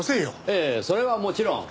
ええそれはもちろん。